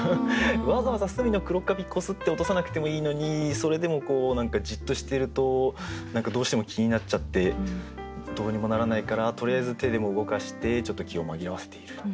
わざわざ隅の黒かび擦って落とさなくてもいいのにそれでも何かじっとしてると何かどうしても気になっちゃってどうにもならないからとりあえず手でも動かしてちょっと気を紛らわせている。